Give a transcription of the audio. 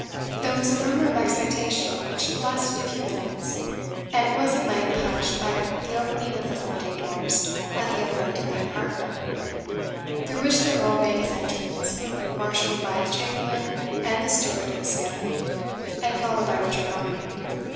There was a murmur of expectation which lasted a few minutes, and was at length hushed by the opening of the folding doors at the upper end or the apartment, through which the Earl made his entrance, marshalled by his chamberlain and the steward of his family, and followed by Richard Varney.